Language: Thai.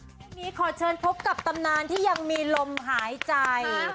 ช่วงนี้ขอเชิญพบกับตำนานที่ยังมีลมหายใจ